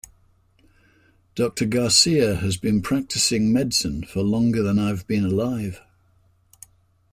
Doctor Garcia has been practicing medicine for longer than I have been alive.